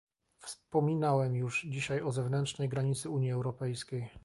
Wspominałem już dzisiaj o zewnętrznej granicy Unii Europejskiej